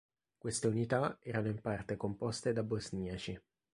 Queste unità erano in parte composte da bosniaci.